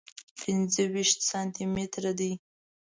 پنځه ویشت سانتي متره دی.